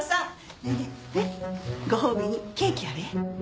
ねえねえご褒美にケーキあるえ。